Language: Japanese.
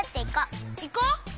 いこう！